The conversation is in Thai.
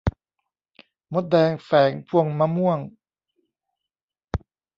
มดแดงแฝงพวงมะม่วง